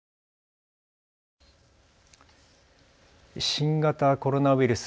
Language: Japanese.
新型コロナウイルス。